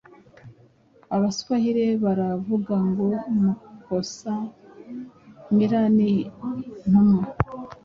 Abaswahili baravuga ngo mukosa mila ni mtumwa.